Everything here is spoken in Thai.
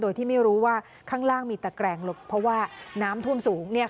โดยที่ไม่รู้ว่าข้างล่างมีตะแกรงหลบเพราะว่าน้ำท่วมสูง